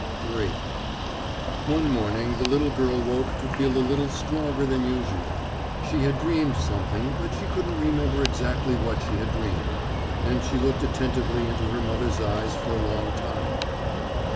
III One morning the little girl woke to feel a little stronger than usual. She had dreamed something, but she couldn't remember exactly what she had dreamed, and she looked attentively into her mother's eyes for a long time.